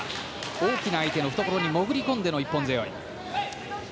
大きな相手のふところに潜り込んでの一本背負い。